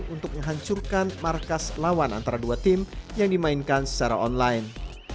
untuk menghancurkan markas lawan antara dua tim yang dimainkan secara online